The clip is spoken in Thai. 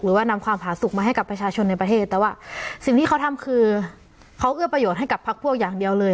นำความผาสุขมาให้กับประชาชนในประเทศแต่ว่าสิ่งที่เขาทำคือเขาเอื้อประโยชน์ให้กับพักพวกอย่างเดียวเลย